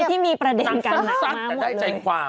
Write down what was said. ซักแต่ได้แจ้งความ